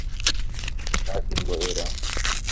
دوای دوو مانگ یەزیدییەک هات